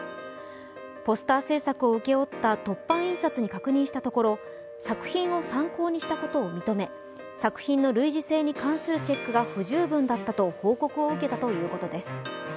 ポスター制作を請け負った凸版印刷に確認したところ作品を参考にしたことを認め作品の類似性に関するチェックが不十分だったと報告を受けたということです。